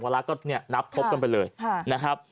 เวลาก็นับพบกันไปเลยนะครับ